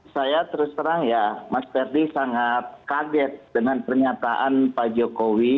saya terus terang ya mas ferdi sangat kaget dengan pernyataan pak jokowi